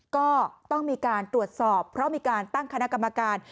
ก็ต้องมีการตรวจสอบเพราะมีการตั้งคณะกรรมการ